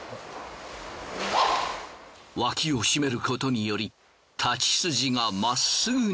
脇を締めることにより太刀筋がまっすぐに。